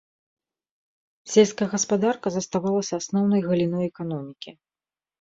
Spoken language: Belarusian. Сельская гаспадарка заставалася асноўнай галіной эканомікі.